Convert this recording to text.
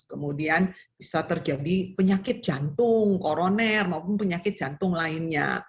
kemudian bisa terjadi penyakit jantung koroner maupun penyakit jantung lainnya